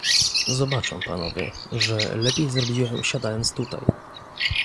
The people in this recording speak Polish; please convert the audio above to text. Zobaczą panowie, że lepiej zrobiłem siadając tutaj